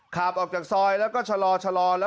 ขับออกจากซอยแล้วก็ชะลอ